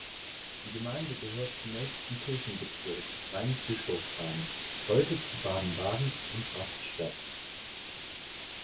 Die Gemeinde gehörte zunächst zum Kirchenbezirk Rheinbischofsheim, heute zu Baden-Baden und Rastatt.